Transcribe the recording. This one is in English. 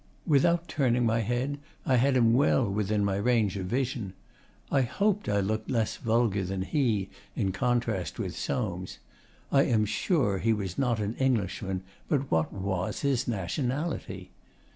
Without turning my head, I had him well within my range of vision. I hoped I looked less vulgar than he in contrast with Soames. I was sure he was not an Englishman, but what WAS his nationality?